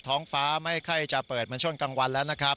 ท้องฟ้าไม่ค่อยจะเปิดเหมือนช่วงกลางวันแล้วนะครับ